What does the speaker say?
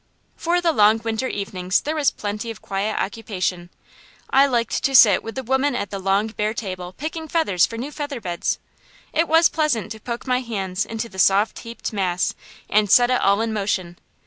For the long winter evenings there was plenty of quiet occupation. I liked to sit with the women at the long bare table picking feathers for new featherbeds. It was pleasant to poke my hand into the soft heaped mass and set it all in motion.